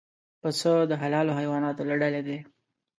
پسه د حلالو حیواناتو له ډلې دی.